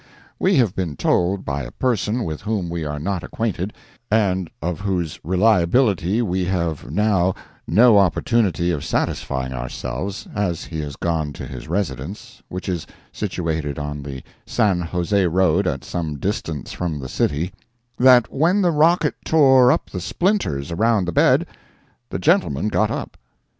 We have been told by a person with whom we are not acquainted, and of whose reliability we have now no opportunity of satisfying ourselves, as he has gone to his residence, which is situated on the San Jose road at some distance from the city, that when the rocket tore up the splinters around the bed, the gentleman got up.